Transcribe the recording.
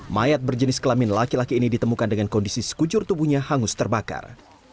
mayat berjenis kelamin laki laki ini ditemukan dengan kondisi sekujur tubuhnya hangus terbakar